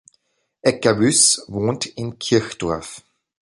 Egger-Wyss wohnt in Kirchdorf.